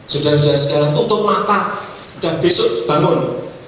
sudah sudah sekarang tutup mata dan besok bangun